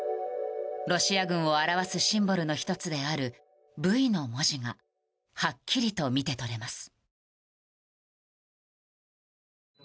ロシア軍を表すシンボルの１つである「Ｖ」の文字がはっきりと見て取れます。